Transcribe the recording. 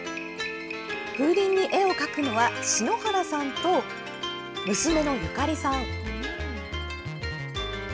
風鈴に絵を描くのは篠原さんと、娘の由加利さん。